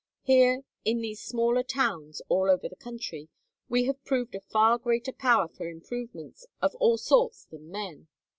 Here, in these smaller towns, all over the country, we have proved a far greater power for improvements of all sorts than men.